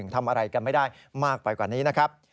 ทำอะไรกันไม่ได้มากไปกว่านี้นะครับ